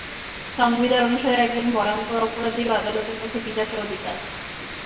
সংবিধান অনুসারে একজন ভয়ংকর অপরাধীরও আদালতের কাছে বিচার চাওয়ার অধিকার আছে।